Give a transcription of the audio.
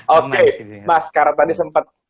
oke mas karena tadi sempat